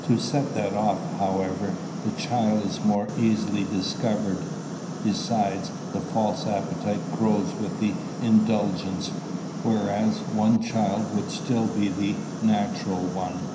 "To set that off, however, the child is more easily discovered. Besides, the false appetite grows with indulgence; whereas one child would still the natural one."